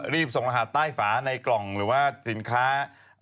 รีบส่งรหัสใต้ฝาในกล่องหรือว่าสินค้า